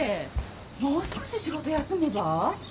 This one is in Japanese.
もう少し仕事休めば？